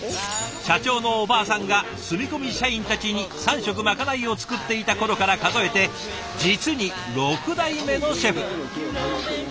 社長のおばあさんが住み込み社員たちに３食まかないを作っていた頃から数えて実に６代目のシェフ。